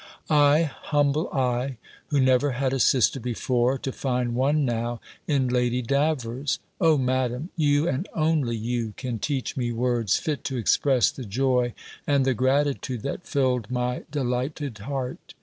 I humble I who never had a sister before to find one now in Lady Davers! O Madam, you, and only you, can teach me words fit to express the joy and the gratitude that filled my delighted heart!